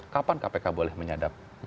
kapan kpk boleh menyadap